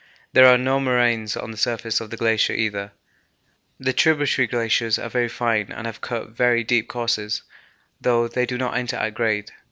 There are no moraines on the surface of the glacier either. The tributary glaciers are very fine and have cut very deep courses, though they do not enter at grade.